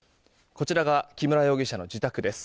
こちらが木村容疑者の自宅です。